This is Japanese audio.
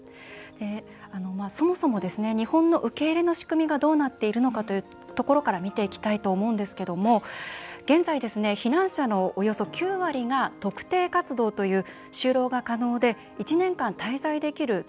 そもそも日本の受け入れの仕組みがどうなっているのかというところから見ていきたいと思うんですけども現在避難者のおよそ９割が「特定活動」という就労が可能で１年間滞在できる在留資格を持っています。